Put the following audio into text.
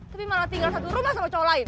tapi malah tinggal satu rumah sama cowok lain